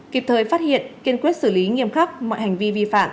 kịp thời phát hiện kiên quyết xử lý nghiêm khắc mọi hành vi vi phạm